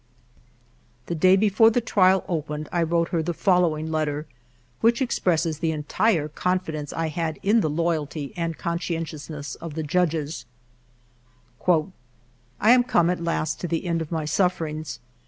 '* The day before the trial opened I wrote her the following letter, which expresses the entire confidence I had in the loyalty and conscientious ness of the judges :—" I am come at last to the end of my sufferings.